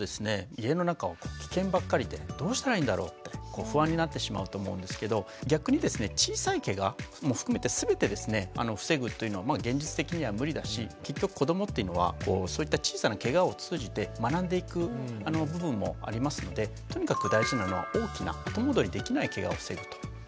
家の中はキケンばっかりでどうしたらいいんだろうって不安になってしまうと思うんですけど逆にですね小さいケガも含めて全てですね防ぐというのは現実的には無理だし結局子どもっていうのはそういった小さなケガを通じて学んでいく部分もありますのでとにかく大事なのは大きな後戻りできないケガを防ぐということですね。